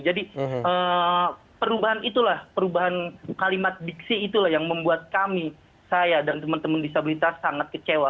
jadi perubahan itulah perubahan kalimat diksi itulah yang membuat kami saya dan teman teman disabilitas sangat kecewa